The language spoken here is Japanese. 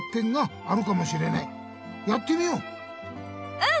うん！